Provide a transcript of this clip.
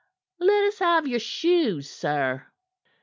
"Let us have your shoes, sir."